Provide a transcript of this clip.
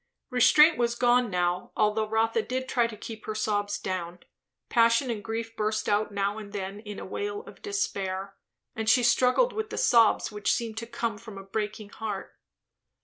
Restraint was gone now, although Rotha did try to keep her sobs down; passion and grief burst out now and then in a wail of despair, and she struggled with the sobs which seemed to come from a breaking heart.